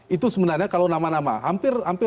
itu sebenarnya kalau nama nama hampir